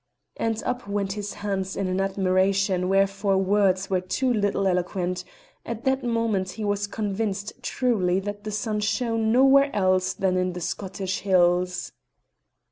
and up went his hands in an admiration wherefor words were too little eloquent: at that moment he was convinced truly that the sun shone nowhere else than in the Scottish hills.